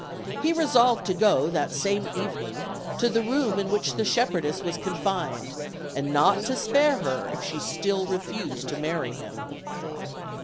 He resolved to go that same evening to the room in which the shepherdess was confined, and not to spare her if she still refused to marry him.